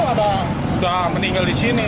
udah meninggal disini